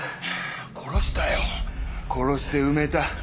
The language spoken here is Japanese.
殺したよ殺して埋めた。